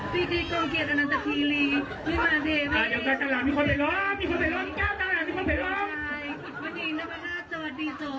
พี่ที่กล้องเกลียดอันนั้นสักทีหลีไม่มาเผ็ดเว้ย